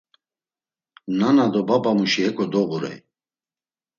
Nana do babamuşi heko doğurey.